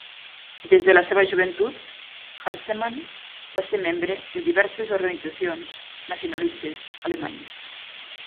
Des de la seva joventut, Hansemann va ser membre de diverses organitzacions nacionalistes alemanyes.